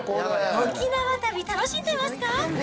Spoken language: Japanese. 沖縄旅、楽しんでますか？